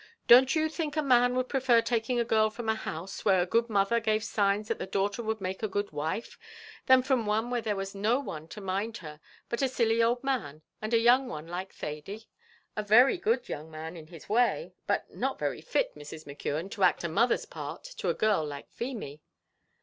Don't you think a man would prefer taking a girl from a house where a good mother gave signs that the daughter would make a good wife, than from one where there was no one to mind her but a silly old man, and a young one like Thady? a very good young man in his way, but not very fit, Mrs. McKeon, to act a mother's part to a girl like Feemy."